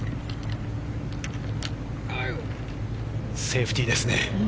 セーフティーですね。